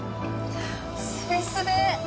スベスベ！